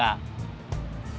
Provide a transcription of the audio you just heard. barang barang yang tidak berharga